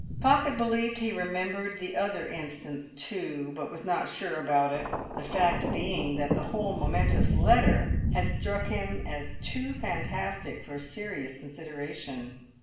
Pocket believed he remembered the other instance too, but was not sure about it, the fact being that the whole momentous letter had struck him as too fantastic for serious consideration.